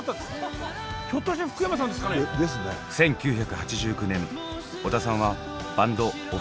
１９８９年小田さんはバンド「オフコース」を解散。